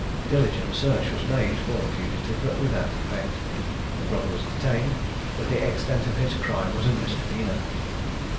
Diligent search was made for the fugitive, but without effect. The brother was detained, but the extent of his crime was a misdemeanour.